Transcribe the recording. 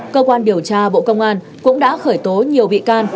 cơ quan điều tra bộ công an cũng đã khởi tố nhiều bị can